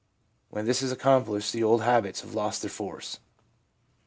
When this is accomplished the old habits have lost their force.